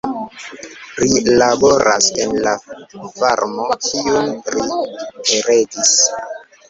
Ri laboras en la farmo, kiun ri heredis.